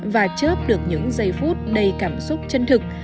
và chớp được những giây phút đầy cảm xúc chân thực